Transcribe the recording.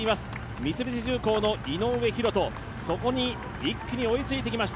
三菱重工業の井上大仁、そこに一気に追いついてきました。